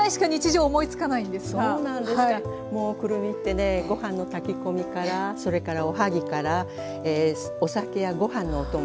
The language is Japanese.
そうなんですかもうくるみってねご飯の炊き込みからそれからおはぎからお酒やご飯のお供。